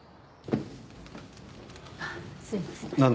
すいません。